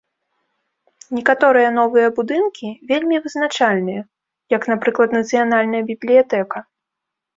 Некаторыя новыя будынкі вельмі вызначальныя, як, напрыклад, нацыянальная бібліятэка.